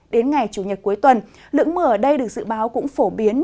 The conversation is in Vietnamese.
đến ngày chủ nhật cuối tuần lượng mưa ở đây được dự báo cũng phổ biến